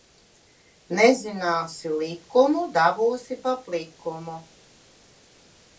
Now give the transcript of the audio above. Nezin?si likumi?u, dab?si pa plikumi?u!